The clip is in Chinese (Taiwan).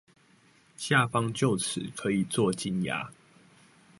下方臼齒可以做金牙